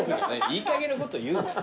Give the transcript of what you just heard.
いいかげんなこと言うなよ。